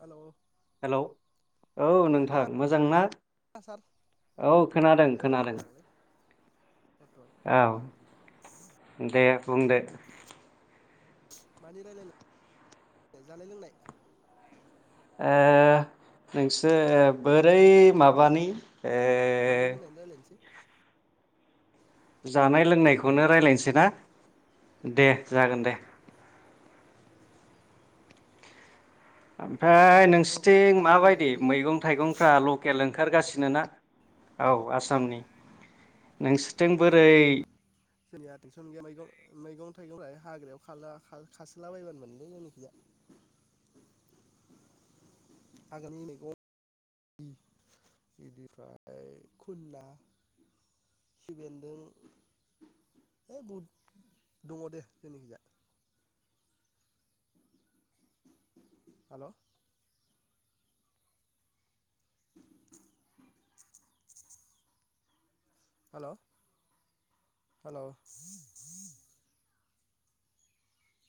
हेल hello औ नोंथां मोजां ना सार औ खोनादों ओइ खोनादों मोजांलै बर्थमान ओं औ दे बुं दे मानि रायलायनो जानाय लोंनाय? ओ नोंसोर बोरै माबानि ओ अ जानाय लोंनायनि रायलायनोसै जानाय नामा लोंनायखौनो रायलायनोसै ना दे जागोन दे अ ओमफ्राय दे बर' नोंसिनथिं आसामनि माबायदि जानाय लोंनाय मैगं थाइगंफ्रा लकेल ओं ओंखारगासिनो ना औ आसामनि नोंसोरथिं बोरै जोंनिया टेनसन गैया मैगं मैगं थाइगं खौलाय हाग्रायाव खाला खासोलाबायबानो मोनोलै जायनिखिया आगोलनि मैगं बिनिफ्राय खुन्ना खिफिबेन्दों है बहुद दङ दे जोंनिखिजा हेल हेल हेल